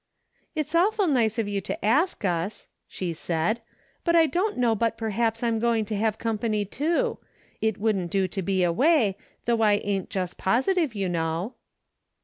" It's awful nice of you to ask us," she said, " but I don't know but perhaps I'm going to have company, too. It wouldn't do to be away, though I ain't just positive, you know."